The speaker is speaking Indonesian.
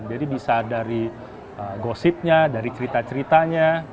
jadi bisa dari gosipnya dari cerita ceritanya